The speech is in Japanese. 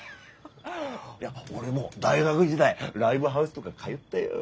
いや俺も大学時代ライブハウスとか通ったよ。